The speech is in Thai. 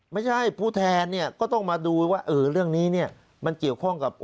ผู้แทนเนี่ยก็ต้องมาดูว่าเออเรื่องนี้เนี่ยมันเกี่ยวข้องกับ